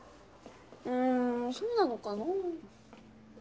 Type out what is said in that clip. うんそうなのかなぁ？